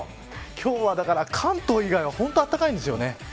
今日は、関東以外は本当にあったかいんですよね。